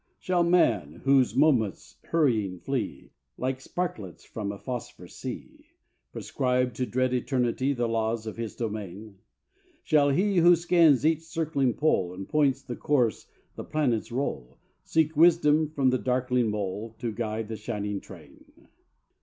Shall man, whose moments hurrying flee, Like sparklets from a phosphor sea, Prescribe to dread Eternity The laws of His domain? Shall He who scans each circling pole, And points the course the planets roll, Seek wisdom from the darkling mole To guide the shining train?